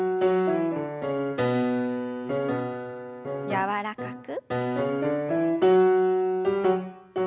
柔らかく。